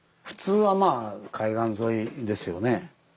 普通はまあ海岸沿いですよね。